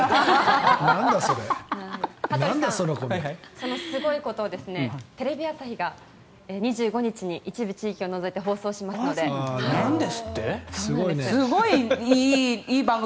そのすごいことテレビ朝日が２５日に一部地域を除いて放送しますので。